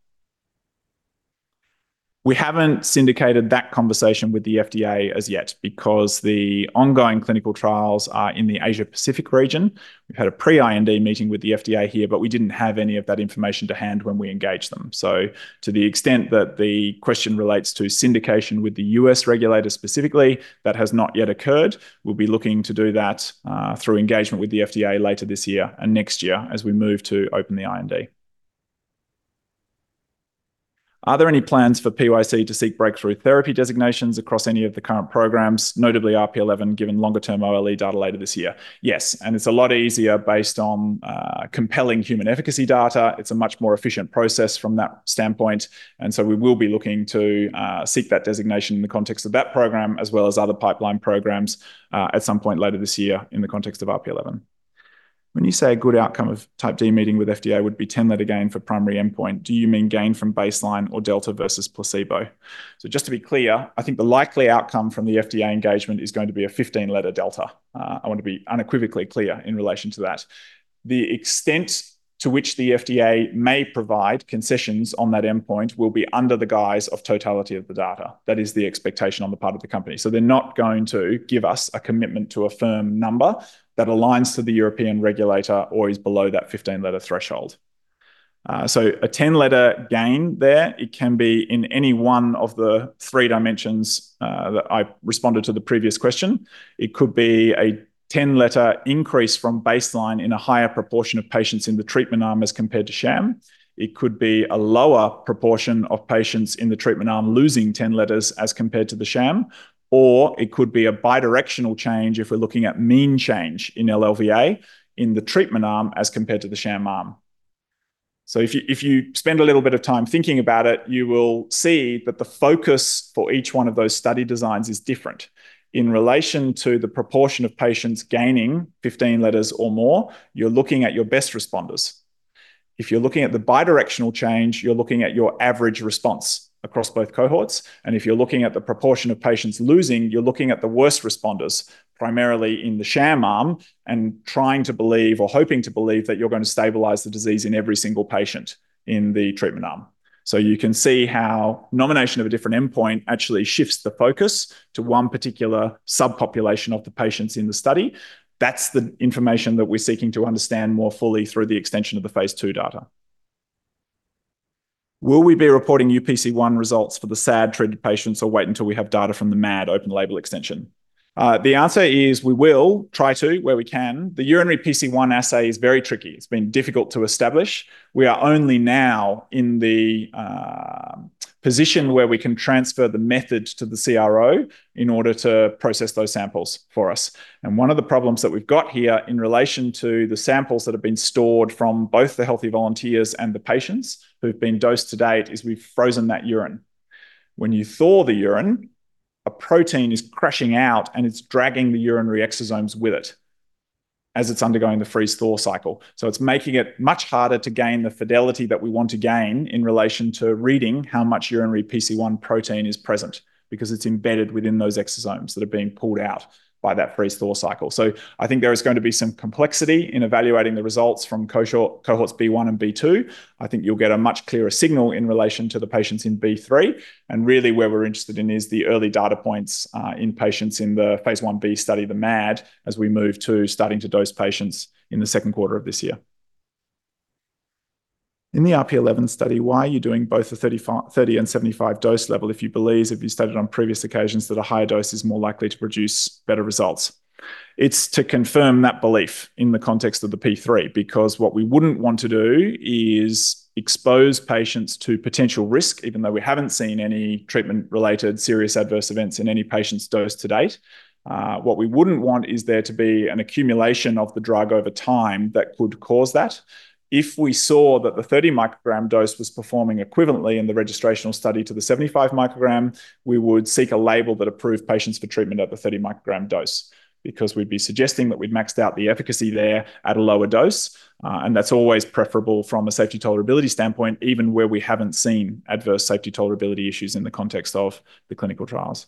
We haven't syndicated that conversation with the FDA as yet, because the ongoing clinical trials are in the Asia-Pacific region. We've had a pre-IND meeting with the FDA here, we didn't have any of that information to hand when we engaged them. To the extent that the question relates to syndication with the U.S. regulator specifically, that has not yet occurred. We'll be looking to do that through engagement with the FDA later this year and next year as we move to open the IND. Are there any plans for PYC to seek breakthrough therapy designations across any of the current programs, notably RP-11, given longer-term OLE data later this year? Yes, and it's a lot easier based on compelling human efficacy data. It's a much more efficient process from that standpoint, and so we will be looking to seek that designation in the context of that program, as well as other pipeline programs at some point later this year in the context of RP-11. When you say a good outcome of Type D meeting with FDA would be 10-letter gain for primary endpoint, do you mean gain from baseline or delta versus placebo? Just to be clear, I think the likely outcome from the FDA engagement is going to be a 15-letter delta. I want to be unequivocally clear in relation to that. The extent to which the FDA may provide concessions on that endpoint will be under the guise of totality of the data. That is the expectation on the part of the company. They're not going to give us a commitment to a firm number that aligns to the European regulator or is below that 15-letter threshold. A 10-letter gain there, it can be in any one of the three dimensions that I responded to the previous question. It could be a 10-letter increase from baseline in a higher proportion of patients in the treatment arm as compared to sham. It could be a lower proportion of patients in the treatment arm losing 10 letters as compared to the sham, or it could be a bidirectional change if we're looking at mean change in LLVA in the treatment arm as compared to the sham arm. If you, if you spend a little bit of time thinking about it, you will see that the focus for each one of those study designs is different. In relation to the proportion of patients gaining 15 letters or more, you're looking at your best responders. If you're looking at the bidirectional change, you're looking at your average response across both cohorts, and if you're looking at the proportion of patients losing, you're looking at the worst responders, primarily in the sham arm, and trying to believe or hoping to believe that you're going to stabilize the disease in every single patient in the treatment arm. You can see how nomination of a different endpoint actually shifts the focus to one particular subpopulation of the patients in the study. That's the information that we're seeking to understand more fully through the extension of the phase II data. Will we be reporting Urinary PC1 results for the SAD-treated patients or wait until we have data from the MAD Open Label Extension? The answer is we will try to, where we can. The Urinary PC1 assay is very tricky. It's been difficult to establish. We are only now in the position where we can transfer the method to the CRO in order to process those samples for us. One of the problems that we've got here in relation to the samples that have been stored from both the healthy volunteers and the patients who've been dosed to date, is we've frozen that urine. When you thaw the urine, a protein is crashing out, and it's dragging the urinary exosomes with it as it's undergoing the freeze-thaw cycle. It's making it much harder to gain the fidelity that we want to gain in relation to reading how much urinary PC1 protein is present, because it's embedded within those exosomes that are being pulled out by that freeze-thaw cycle. I think there is going to be some complexity in evaluating the results from cohorts B1 and B2. I think you'll get a much clearer signal in relation to the patients in B3, and really, where we're interested in is the early data points, in patients in the phase 1b study, the MAD, as we move to starting to dose patients in the 2nd quarter of this year. In the RP11 study, why are you doing both the 30 and 75 dose level if you believe, as you stated on previous occasions, that a higher dose is more likely to produce better results? It's to confirm that belief in the context of the P3, because what we wouldn't want to do is expose patients to potential risk, even though we haven't seen any treatment-related serious adverse events in any patients dosed to date. What we wouldn't want is there to be an accumulation of the drug over time that could cause that. If we saw that the 30-microgram dose was performing equivalently in the registrational study to the 75 microgram, we would seek a label that approved patients for treatment at the 30-microgram dose, because we'd be suggesting that we'd maxed out the efficacy there at a lower dose. That's always preferable from a safety tolerability standpoint, even where we haven't seen adverse safety tolerability issues in the context of the clinical trials.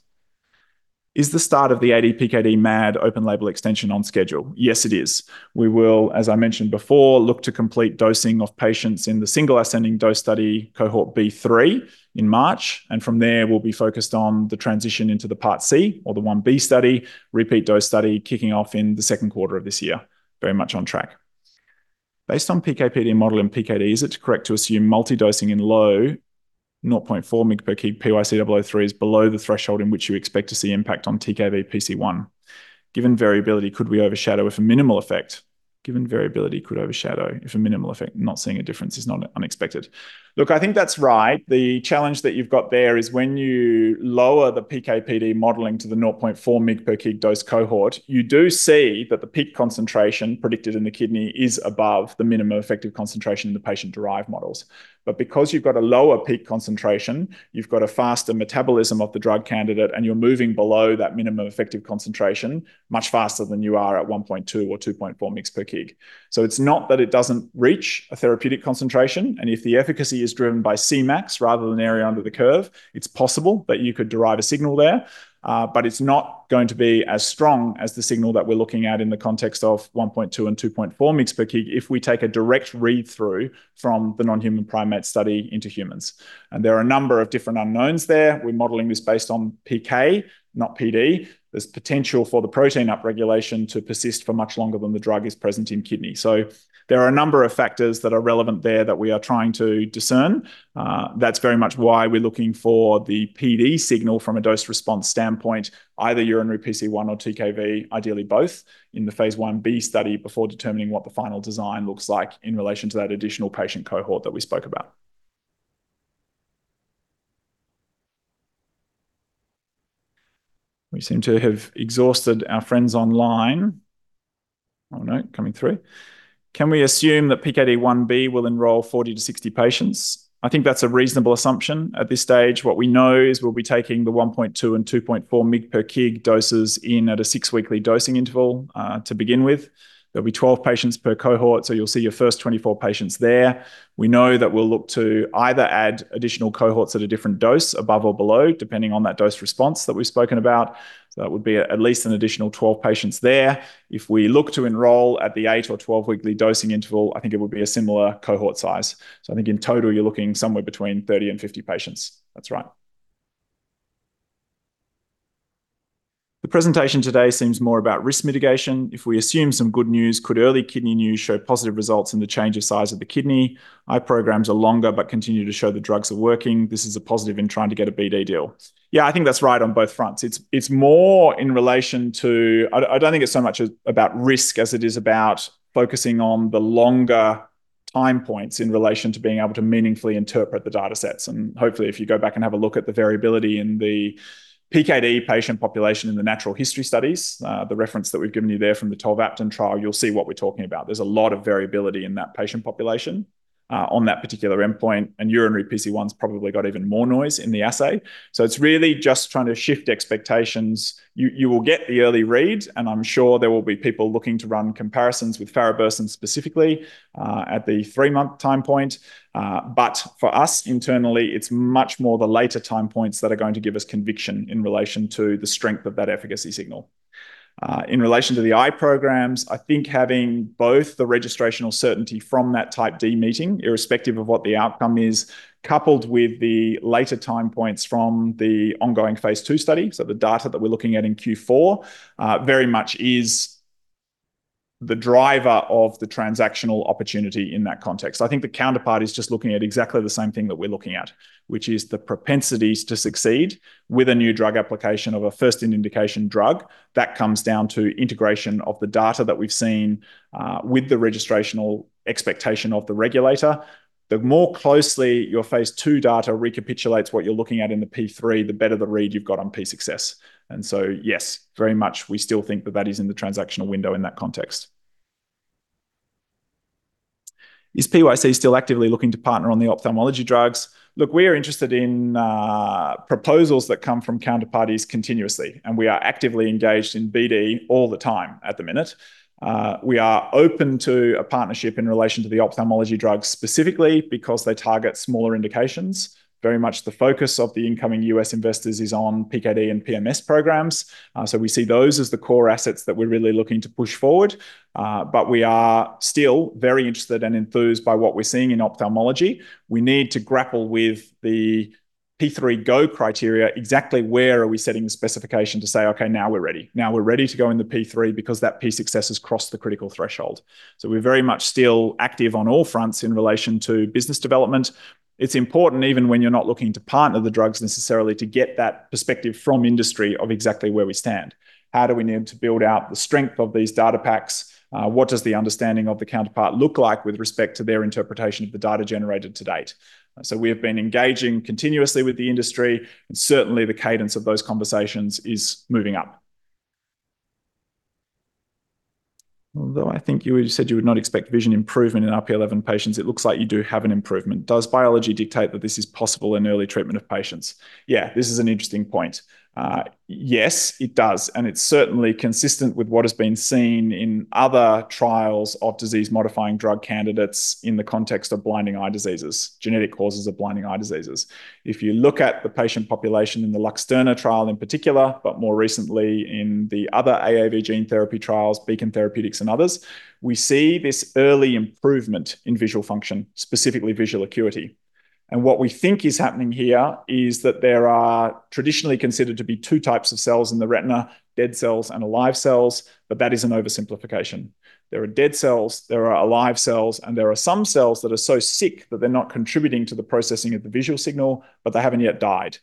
Is the start of the ADPKD MAD Open Label Extension on schedule? Yes, it is. We will, as I mentioned before, look to complete dosing of patients in the single ascending dose study Cohort B3 in March, from there, we'll be focused on the transition into the Part C or the 1b study, repeat dose study, kicking off in the 2nd quarter of this year. Very much on track. Based on PK/PD model and PKD, is it correct to assume multi-dosing in low 0.4 mg per kg PYC-003 is below the threshold in which you expect to see impact on TKV PC1? Given variability, could overshadow if a minimal effect, not seeing a difference is not unexpected? Look, I think that's right. The challenge that you've got there is when you lower the PK/PD modeling to the 0.4 mg per kg dose cohort, you do see that the peak concentration predicted in the kidney is above the minimum effective concentration in the patient-derived models. Because you've got a lower peak concentration, you've got a faster metabolism of the drug candidate, and you're moving below that minimum effective concentration much faster than you are at 1.2 or 2.4 mg/kg. It's not that it doesn't reach a therapeutic concentration, and if the efficacy is driven by Cmax rather than area under the curve, it's possible that you could derive a signal there, but it's not going to be as strong as the signal that we're looking at in the context of 1.2 and 2.4 mg/kg if we take a direct read-through from the non-human primate study into humans. There are a number of different unknowns there. We're modeling this based on PK, not PD. There's potential for the protein upregulation to persist for much longer than the drug is present in kidney. There are a number of factors that are relevant there that we are trying to discern. That's very much why we're looking for the PD signal from a dose-response standpoint, either Urinary PC1 or TKV, ideally both, in the phase 1b study, before determining what the final design looks like in relation to that additional patient cohort that we spoke about. We seem to have exhausted our friends online. Oh, no, coming through. Can we assume that PKD 1b will enroll 40-60 patients? I think that's a reasonable assumption. At this stage, what we know is we'll be taking the 1.2 and 2.4 mg/kg doses in at a six-weekly dosing interval to begin with. There'll be 12 patients per cohort, so you'll see your first 24 patients there. We know that we'll look to either add additional cohorts at a different dose, above or below, depending on that dose response that we've spoken about. That would be at least an additional 12 patients there. If we look to enroll at the eight or 12 weekly dosing interval, I think it would be a similar cohort size. I think in total, you're looking somewhere between 30 and 50 patients. That's right. The presentation today seems more about risk mitigation. If we assume some good news, could early kidney news show positive results in the change of size of the kidney? Eye programs are longer, but continue to show the drugs are working. This is a positive in trying to get a BD deal. Yeah, I think that's right on both fronts. It's, it's more in relation to, I, I don't think it's so much about risk as it is about focusing on the longer time points in relation to being able to meaningfully interpret the data sets. Hopefully, if you go back and have a look at the variability in the PKD patient population in the natural history studies, the reference that we've given you there from the tolvaptan trial, you'll see what we're talking about. There's a lot of variability in that patient population on that particular endpoint, and urinary PC1's probably got even more noise in the assay. It's really just trying to shift expectations. You, you will get the early read, and I'm sure there will be people looking to run comparisons with farabursen specifically at the three-month time point. For us internally, it's much more the later time points that are going to give us conviction in relation to the strength of that efficacy signal. In relation to the eye programs, I think having both the registrational certainty from that Type D meeting, irrespective of what the outcome is, coupled with the later time points from the ongoing phase II study, so the data that we're looking at in Q4, very much is the driver of the transactional opportunity in that context. I think the counterpart is just looking at exactly the same thing that we're looking at, which is the propensities to succeed with a New Drug Application of a first-indication drug. That comes down to integration of the data that we've seen, with the registrational expectation of the regulator. The more closely your phase II data recapitulates what you're looking at in the phase III, the better the read you've got on Phase success. Yes, very much, we still think that that is in the transactional window in that context. Is PYC still actively looking to partner on the ophthalmology drugs? Look, we are interested in proposals that come from counterparties continuously, and we are actively engaged in BD all the time at the minute. We are open to a partnership in relation to the ophthalmology drugs, specifically because they target smaller indications. Very much the focus of the incoming US investors is on PKD and PMS programs. We see those as the core assets that we're really looking to push forward, but we are still very interested and enthused by what we're seeing in ophthalmology. We need to grapple with the phase III go criteria, exactly where are we setting the specification to say, "Okay, now we're ready. Now we're ready to go in the phase III because that P success has crossed the critical threshold." We're very much still active on all fronts in relation to business development. It's important, even when you're not looking to partner the drugs, necessarily, to get that perspective from industry of exactly where we stand. How do we need to build out the strength of these data packs? What does the understanding of the counterpart look like with respect to their interpretation of the data generated to date? We have been engaging continuously with the industry, and certainly, the cadence of those conversations is moving up. Although I think you said you would not expect vision improvement in RP11 patients, it looks like you do have an improvement. Does biology dictate that this is possible in early treatment of patients? Yeah, this is an interesting point. Yes, it does, and it's certainly consistent with what has been seen in other trials of disease-modifying drug candidates in the context of blinding eye diseases, genetic causes of blinding eye diseases. If you look at the patient population in the Luxturna trial in particular, but more recently in the other AAV gene therapy trials, Beacon Therapeutics and others, we see this early improvement in visual function, specifically visual acuity. What we think is happening here is that there are traditionally considered to be two types of cells in the retina, dead cells and alive cells, but that is an oversimplification. There are dead cells, there are alive cells, and there are some cells that are so sick that they're not contributing to the processing of the visual signal, but they haven't yet died.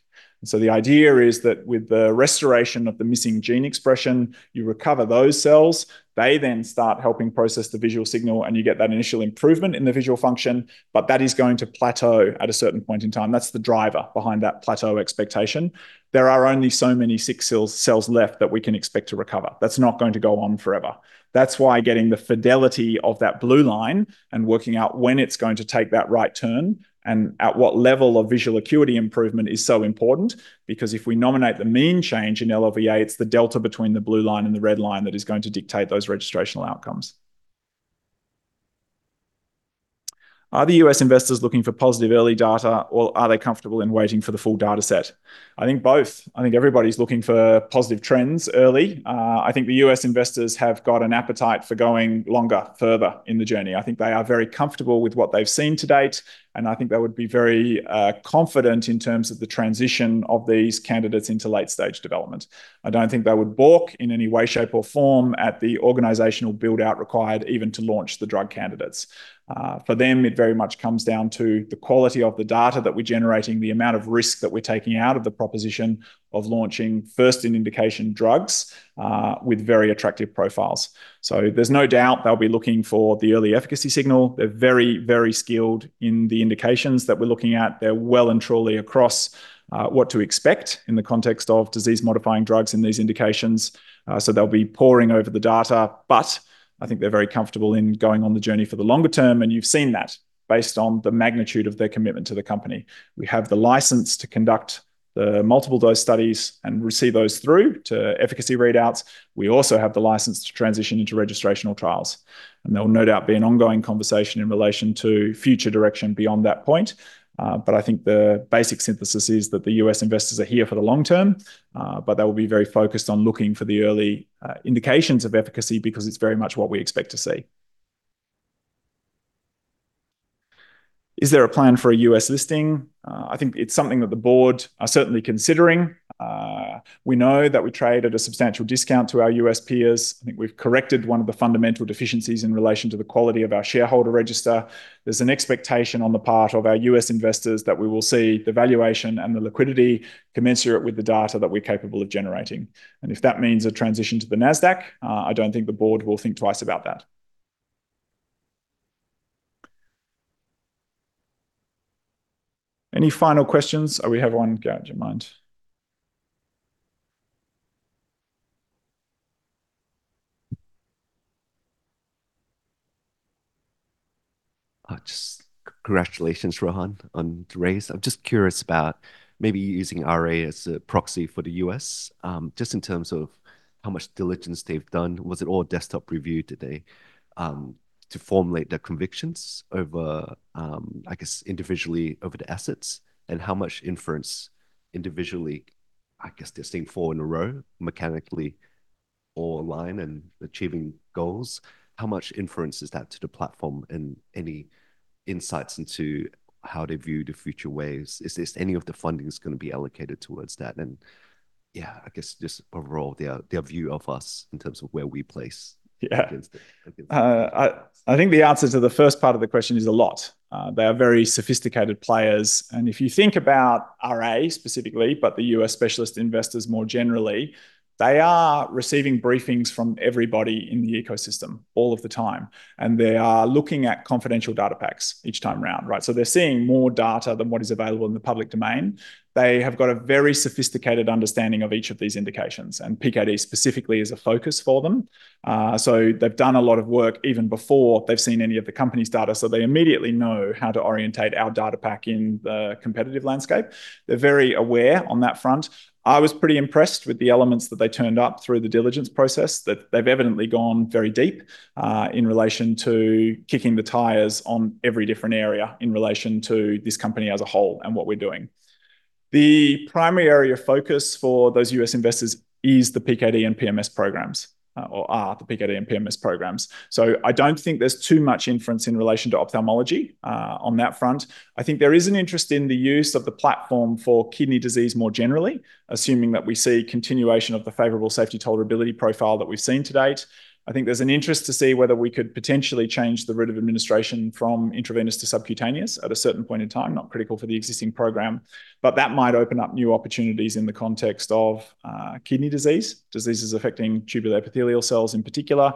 The idea is that with the restoration of the missing gene expression, you recover those cells, they then start helping process the visual signal, and you get that initial improvement in the visual function, but that is going to plateau at a certain point in time. That's the driver behind that plateau expectation. There are only so many sick cells, cells left that we can expect to recover. That's not going to go on forever. That's why getting the fidelity of that blue line and working out when it's going to take that right turn and at what level of visual acuity improvement is so important, because if we nominate the mean change in LLVA, it's the delta between the blue line and the red line that is going to dictate those registrational outcomes. Are the US investors looking for positive early data, or are they comfortable in waiting for the full data set? I think both. I think everybody's looking for positive trends early. I think the US investors have got an appetite for going longer, further in the journey. I think they are very comfortable with what they've seen to date, and I think they would be very confident in terms of the transition of these candidates into late-stage development. I don't think they would balk in any way, shape, or form at the organizational build-out required even to launch the drug candidates. For them, it very much comes down to the quality of the data that we're generating, the amount of risk that we're taking out of the proposition of launching first-in-indication drugs with very attractive profiles. There's no doubt they'll be looking for the early efficacy signal. They're very, very skilled in the indications that we're looking at. They're well and truly across what to expect in the context of disease-modifying drugs in these indications. They'll be poring over the data, but I think they're very comfortable in going on the journey for the longer term, and you've seen that based on the magnitude of their commitment to the company. We have the license to conduct the multiple dose studies and receive those through to efficacy readouts. We also have the license to transition into registrational trials, and there'll no doubt be an ongoing conversation in relation to future direction beyond that point. I think the basic synthesis is that the U.S. investors are here for the long term, but they will be very focused on looking for the early indications of efficacy because it's very much what we expect to see. Is there a plan for a U.S. listing? I think it's something that the board are certainly considering. We know that we trade at a substantial discount to our U.S. peers. I think we've corrected one of the fundamental deficiencies in relation to the quality of our shareholder register. There's an expectation on the part of our US investors that we will see the valuation and the liquidity commensurate with the data that we're capable of generating. If that means a transition to the Nasdaq, I don't think the board will think twice about that. Any final questions? Oh, we have one. Go, do you mind? Just congratulations, Rohan, on the raise. I'm just curious about maybe using RA as a proxy for the US, just in terms of how much diligence they've done. Was it all desktop review, did they to formulate their convictions over, I guess, individually over the assets? How much inference individually, I guess, they're seeing four in a row, mechanically all align and achieving goals, how much inference is that to the platform? Any insights into how they view the future waves. Is this any of the funding is gonna be allocated towards that? Yeah, I guess just overall, their, their view of us in terms of where we place- Yeah. Against it, against it. I, I think the answer to the first part of the question is a lot. They are very sophisticated players. If you think about RA specifically, but the US specialist investors more generally, they are receiving briefings from everybody in the ecosystem all of the time. They are looking at confidential data packs each time round, right? They're seeing more data than what is available in the public domain. They have got a very sophisticated understanding of each of these indications. PKD specifically is a focus for them. They've done a lot of work even before they've seen any of the company's data. They immediately know how to orientate our data pack in the competitive landscape. They're very aware on that front. I was pretty impressed with the elements that they turned up through the diligence process, that they've evidently gone very deep in relation to kicking the tires on every different area in relation to this company as a whole and what we're doing. The primary area of focus for those US investors is the PKD and PMS programs, or are the PKD and PMS programs. I don't think there's too much inference in relation to ophthalmology on that front. I think there is an interest in the use of the platform for kidney disease more generally, assuming that we see continuation of the favorable safety tolerability profile that we've seen to date. I think there's an interest to see whether we could potentially change the route of administration from intravenous to subcutaneous at a certain point in time. Not critical for the existing program, but that might open up new opportunities in the context of kidney disease, diseases affecting tubular epithelial cells in particular.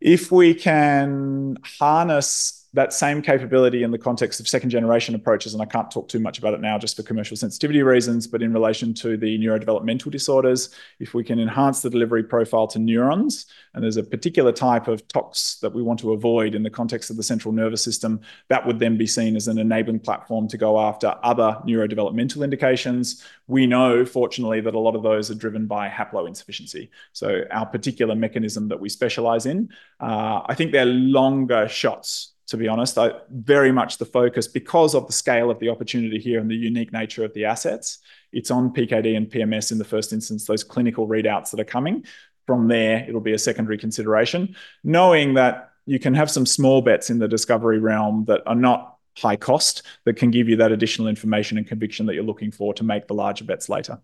If we can harness that same capability in the context of second-generation approaches, and I can't talk too much about it now just for commercial sensitivity reasons, but in relation to the neurodevelopmental disorders, if we can enhance the delivery profile to neurons, and there's a particular type of tox that we want to avoid in the context of the central nervous system, that would then be seen as an enabling platform to go after other neurodevelopmental indications. We know, fortunately, that a lot of those are driven by haploinsufficiency, so our particular mechanism that we specialize in. I think they're longer shots, to be honest. Very much the focus, because of the scale of the opportunity here and the unique nature of the assets, it's on PKD and PMS in the first instance, those clinical readouts that are coming. From there, it'll be a secondary consideration, knowing that you can have some small bets in the discovery realm that are not high cost, but can give you that additional information and conviction that you're looking for to make the larger bets later.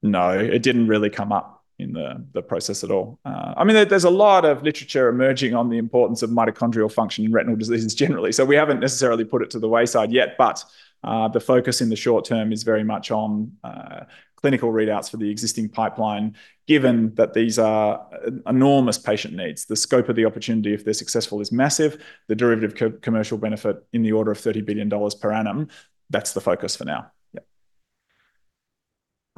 No, it didn't really come up in the process at all. I mean, there's a lot of literature emerging on the importance of mitochondrial function in retinal diseases generally, so we haven't necessarily put it to the wayside yet. The focus in the short term is very much on clinical readouts for the existing pipeline, given that these are enormous patient needs. The scope of the opportunity, if they're successful, is massive. The derivative co-commercial benefit in the order of $30 billion per annum. That's the focus for now.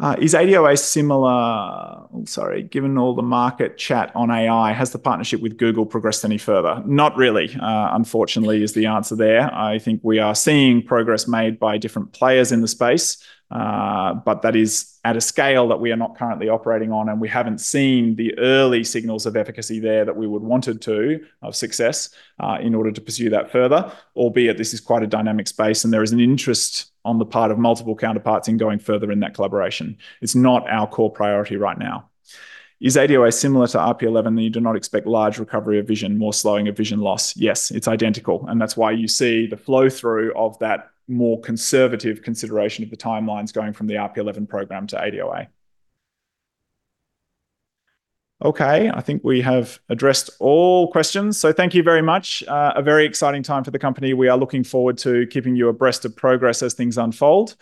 Yeah. Is ADOA similar. Sorry, given all the market chat on AI, has the partnership with Google progressed any further? Not really, unfortunately, is the answer there. I think we are seeing progress made by different players in the space, but that is at a scale that we are not currently operating on, and we haven't seen the early signals of efficacy there that we would have wanted to, of success, in order to pursue that further. Albeit, this is quite a dynamic space, and there is an interest on the part of multiple counterparts in going further in that collaboration. It's not our core priority right now. Is ADOA similar to RP11, and you do not expect large recovery of vision, more slowing of vision loss? Yes, it's identical, and that's why you see the flow-through of that more conservative consideration of the timelines going from the RP11 program to ADOA. Okay, I think we have addressed all questions. Thank you very much. A very exciting time for the company. We are looking forward to keeping you abreast of progress as things unfold.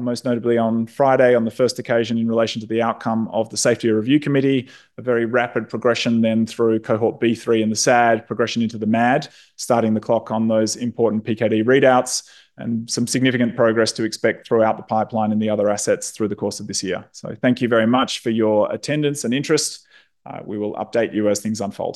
Most notably on Friday, on the first occasion in relation to the outcome of the Safety Review Committee, a very rapid progression then through Cohort B3 and the SAD, progression into the MAD, starting the clock on those important PKD readouts, and some significant progress to expect throughout the pipeline and the other assets through the course of this year. Thank you very much for your attendance and interest. We will update you as things unfold.